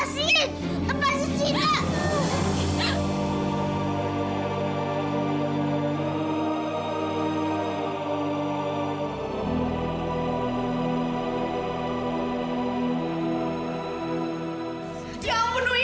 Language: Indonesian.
sita gak mau dibeluk sama mama dewi